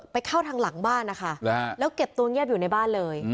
ไปเข้าทางหลังบ้านนะคะแล้วห้ะ